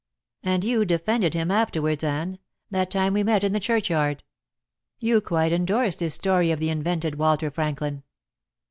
"And you defended him afterwards, Anne that time we met in the churchyard. You quite endorsed his story of the invented Walter Franklin."